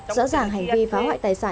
rõ ràng hành vi phá hoại tài xế